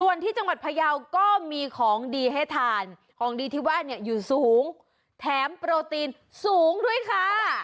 ส่วนที่จังหวัดพยาวก็มีของดีให้ทานของดีที่ว่าเนี่ยอยู่สูงแถมโปรตีนสูงด้วยค่ะ